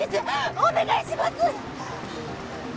お願いします！